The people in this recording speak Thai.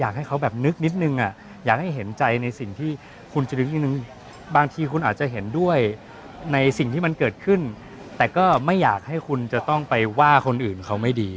อยากให้เขาแบบนึกนิดนึงอ่ะอยากให้เห็นใจในสิ่งที่คุณจะนึกนิดนึงบางทีคุณอาจจะเห็นด้วยในสิ่งที่มันเกิดขึ้นแต่ก็ไม่อยากให้คุณจะต้องไปว่าคนอื่นเขาไม่ดี